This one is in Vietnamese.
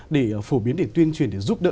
để phổ biến để tuyên truyền để giúp đỡ